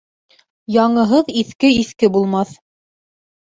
Яңыһыҙ иҫке иҫке булмаҫ